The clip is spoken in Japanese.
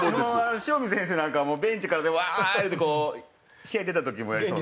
塩見選手なんかはもうベンチからウワー言うてこう試合出た時もやりそう。